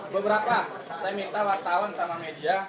beberapa saya minta wartawan sama media